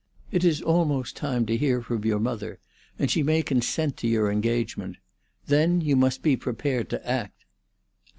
"It is almost time to hear from your mother, and she may consent to your engagement. Then you must be prepared to act."